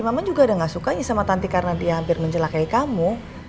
mama juga udah gak sukanya sama tante karena dia hampir menjelakai kamu